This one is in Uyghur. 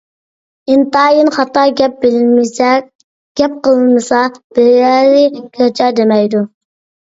ئىنتايىن خاتا گەپ. بىلمىسە، گەپ قىلمىسا بىرەرى گاچا دېمەيدۇ.